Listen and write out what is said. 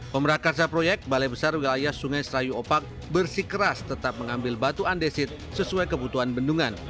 pemerah karsa proyek balai besar wilayah sungai serayu opak bersih keras tetap mengambil batuan desit sesuai kebutuhan bendungan